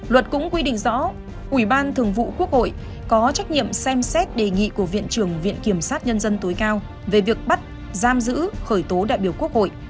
luật cũng quy định rõ ủy ban thường vụ quốc hội có trách nhiệm xem xét đề nghị của viện trưởng viện kiểm sát nhân dân tối cao về việc bắt giam giữ khởi tố đại biểu quốc hội